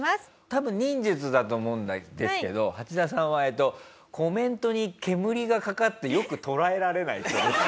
多分忍術だと思うんですけどハチダさんはえっとコメントに煙がかかってよく捉えられない人です。